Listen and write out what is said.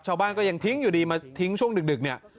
ชาวบ้านก็ยังทิ้งอยู่ดีมาทิ้งช่วงดึกเนี่ย